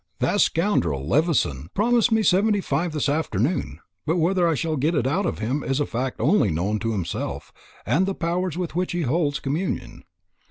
That scoundrel Levison promised me seventy five this afternoon; but whether I shall get it out of him is a fact only known to himself and the powers with which he holds communion.